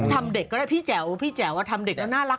ทำเด็กก็ได้พี่แจ๋วพี่แจ๋วทำเด็กแล้วน่ารัก